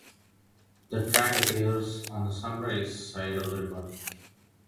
The track appears on the "Sunrise" side of the record.